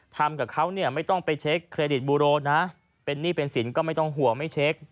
ทำกับเขาเนี่ยไม่ต้องไปเช็คเครดิตบูโรนะเป็นหนี้เป็นสินก็ไม่ต้องห่วงไม่เช็ค